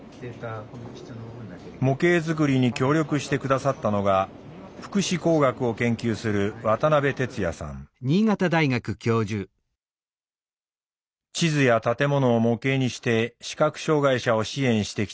模型作りに協力して下さったのが福祉工学を研究する地図や建物を模型にして視覚障害者を支援してきた渡辺さん。